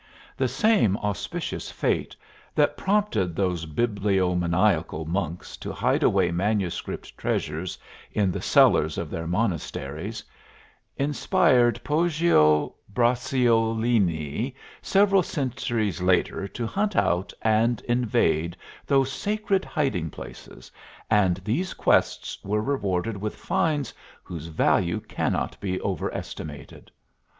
The same auspicious fate that prompted those bibliomaniacal monks to hide away manuscript treasures in the cellars of their monasteries, inspired Poggio Bracciolini several centuries later to hunt out and invade those sacred hiding places, and these quests were rewarded with finds whose value cannot be overestimated.